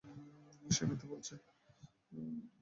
সে মিথ্যা বলেছে।